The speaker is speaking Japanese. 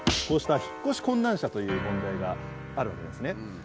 こうした引っ越し困難者という問題があるわけですね。